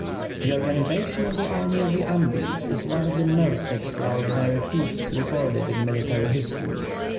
The organization of the Army of the Andes is one of the most extraordinary feats recorded in military history.